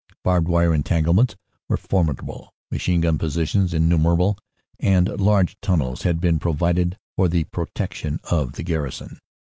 Barbed wire entanglements were formidable, machine gun positions innumerable, and large tunnels had been pro vided for the protection of the garrison.